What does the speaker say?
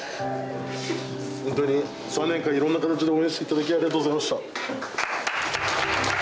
本当に３年間、いろんな形で応援していただきありがとうございました。